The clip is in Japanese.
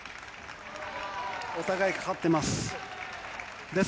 お互いかかってます。